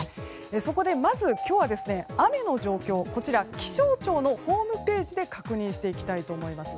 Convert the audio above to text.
そこでまず今日は雨の状況を気象庁のホームページで確認していきたいと思います。